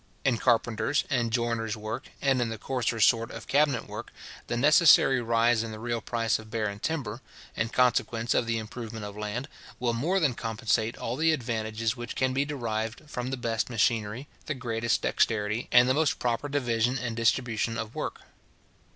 In carpenters' and joiners' work, and in the coarser sort of cabinet work, the necessary rise in the real price of barren timber, in consequence of the improvement of land, will more than compensate all the advantages which can be derived from the best machinery, the greatest dexterity, and the most proper division and distribution of work.